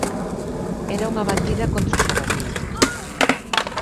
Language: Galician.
Era unha batida contra o xabaril.